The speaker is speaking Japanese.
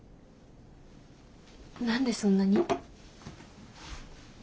何でそんなに？